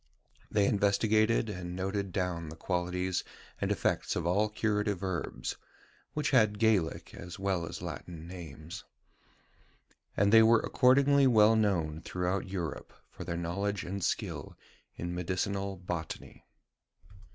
They investigated and noted down the qualities and effects of all curative herbs (which had Gaelic, as well as Latin, names); and they were accordingly well known throughout Europe for their knowledge and skill in medicinal botany.